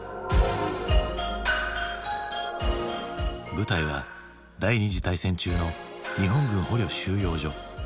舞台は第２次大戦中の日本軍捕虜収容所。